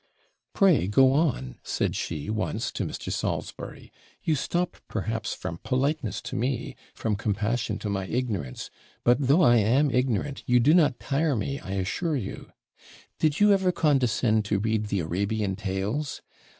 'Pray go on,' said she, once, to Mr. Salisbury; 'you stop, perhaps, from politeness to me from compassion to my ignorance; but, though I am ignorant, you do not tire me, I assure you. Did you ever condescend to read the Arabian tales?